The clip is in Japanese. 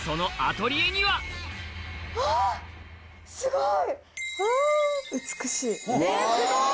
すごい！